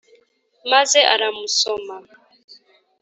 Maze aramusoma